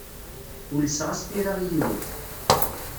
Ulseɣ-as tira i yiwen.